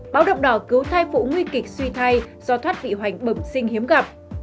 báo động đỏ cứu thai phụ nguy kịch suy thay do thoát vị hoành bẩm sinh hiếm gặp